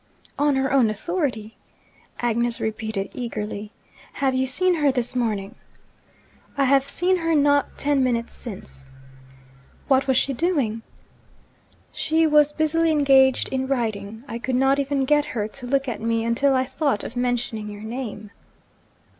'On her own authority?' Agnes repeated eagerly. 'Have you seen her this morning?' 'I have seen her not ten minutes since.' 'What was she doing?' 'She was busily engaged in writing. I could not even get her to look at me until I thought of mentioning your name.'